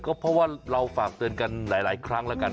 ก็เพราะว่าเราฝากเตือนกันหลายครั้งแล้วกัน